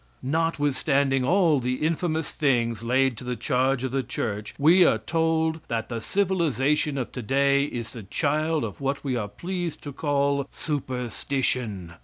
Not withstanding all the infamous things laid to the charge of the Church, we are told that the civilization of today is the child of what we are pleased to call superstition.